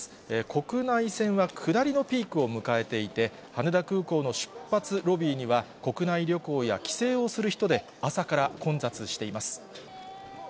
国内線は下りのピークを迎えていて、羽田空港の出発ロビーには国内旅行や帰省をする人で、朝から混雑しています。